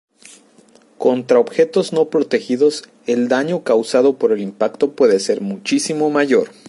Contra objetos no protegidos, el daño causado por el impacto puede ser muchísimo mayor.